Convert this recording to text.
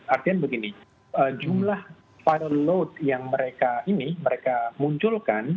artinya begini jumlah fire load yang mereka ini mereka munculkan